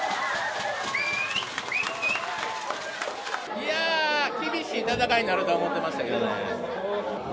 いやぁ、厳しい戦いになるとは思っていましたけどね。